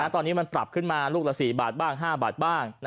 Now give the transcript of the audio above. ตอนนี้มันปรับขึ้นมาลูกละ๔๕บาทบ้าง